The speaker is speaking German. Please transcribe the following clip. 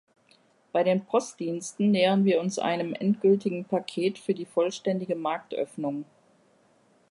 Bei den Postdiensten nähern wir uns einem endgültigen Paket für die vollständige Marktöffnung.